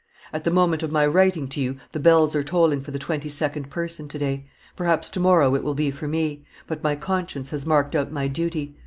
"At the moment of my writing to you the bells are tolling for the twenty second person to day; perhaps to morrow it will be for me; but my conscience has marked out my duty.